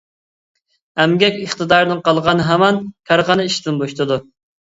ئەمگەك ئىقتىدارىدىن قالغان ھامان كارخانا ئىشتىن بوشىتىدۇ.